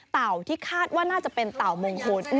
ที่คาดว่าน่าจะเป็นเต่ามงคล